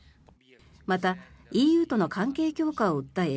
また、ＥＵとの関係強化を訴え